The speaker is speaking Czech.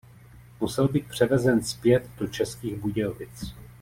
Musel být převezen zpět do Českých Budějovic.